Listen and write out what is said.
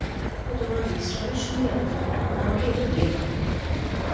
তো তোমার বিশ্রামের সুবিধার্তে, আমাকে এটা দিয়ে দাও।